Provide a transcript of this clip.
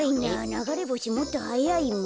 ながれぼしもっとはやいもん。